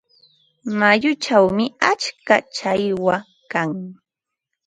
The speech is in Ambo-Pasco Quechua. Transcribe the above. Mayuchawmi atska challwa kan.